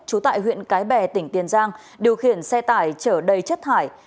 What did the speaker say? trú tại huyện cái bè tỉnh tiền giang điều khiển xe tải chở đầy chất thải